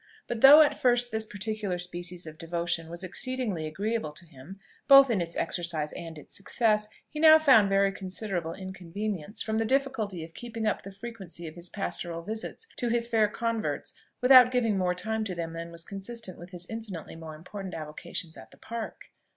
But though at first this particular species of devotion was exceedingly agreeable to him, both in its exercise and its success, he now found very considerable inconvenience from the difficulty of keeping up the frequency of his pastoral visits to his fair converts without giving more time to them than was consistent with his infinitely more important avocations at the Park.